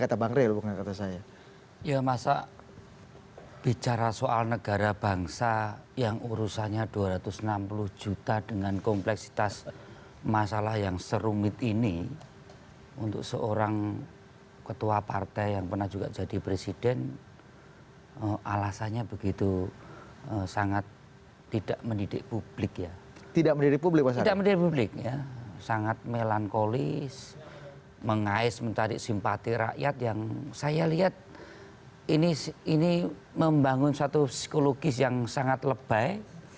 tidak mendiri publik sangat melankolis mengais mencari simpati rakyat yang saya lihat ini membangun suatu psikologis yang sangat lebay